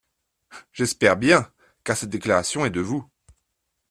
J’espère bien, car cette déclaration est de vous.